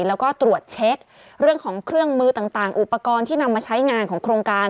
แล้วก็ตรวจเช็คเรื่องของเครื่องมือต่างอุปกรณ์ที่นำมาใช้งานของโครงการ